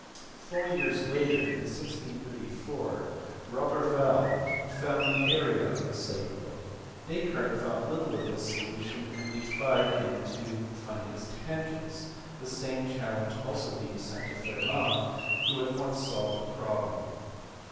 Four years later, in 1634, Roberval found the area of the cycloid ; Descartes thought little of this solution and defied him to find its tangents, the same challenge being also sent to Fermat who at once solved the problem.